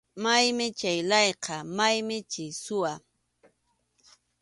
Maymi chay layqa, maymi chay suwa.